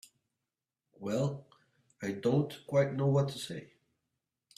Well—I don't quite know what to say.